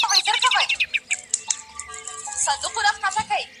بې وزلو سره احسان وکړئ.